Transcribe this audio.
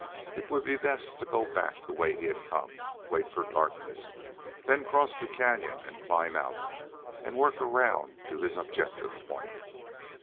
It would be best to go back the way he had come, wait for darkness, then cross the canyon and climb out, and work around to his objective point.